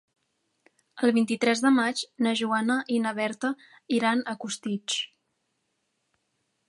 El vint-i-tres de maig na Joana i na Berta iran a Costitx.